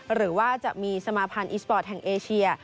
หรือว่าจะมีสมาพันธ์อีสปอร์ตแห่งเอเชีย